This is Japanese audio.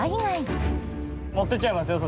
持ってっちゃいますよ？